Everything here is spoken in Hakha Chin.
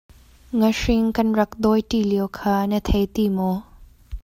Ngahring kan rak dawi ṭi lio kha na thei ti maw?